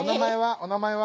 お名前は？